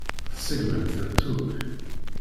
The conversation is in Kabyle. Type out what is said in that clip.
Tseggmem-tent akk.